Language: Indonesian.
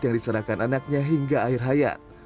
yang diserahkan anaknya hingga akhir hayat